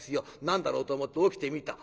何だろうと思って起きてみた。